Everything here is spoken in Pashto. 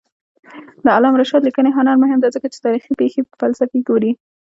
د علامه رشاد لیکنی هنر مهم دی ځکه چې تاریخي پېښې فلسفي ګوري.